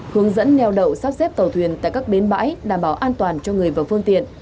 hướng dẫn neo đậu sắp xếp tàu thuyền tại các bến bãi đảm bảo an toàn cho người và phương tiện